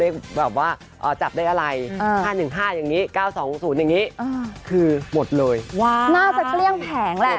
น่าจะเคลื่องแผงแหละ